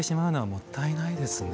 もったいないですね。